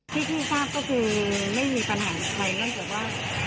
ที่ที่ทราบก็คือไม่มีปัญหาใครไม่ว่า